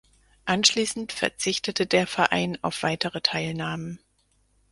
Anschließend verzichtete der Verein auf weitere Teilnahmen.